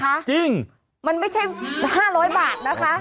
รายเงินไม่ใช่บาท๕๐๐บาทนะคะ